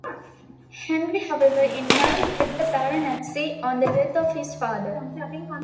Henry however inherited the baronetcy on the death of his father.